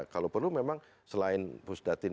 kalau perlu memang selain pusat datin